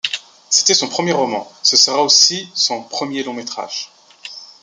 C'était son premier roman, se sera aussi son premier long métrage.